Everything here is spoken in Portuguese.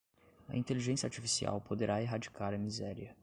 A inteligência artificial poderá erradicar a miséria